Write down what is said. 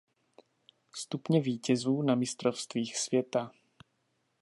Stupně vítězů na mistrovstvích světa.